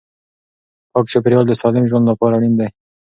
پاک چاپیریال د سالم ژوند لپاره اړین دی.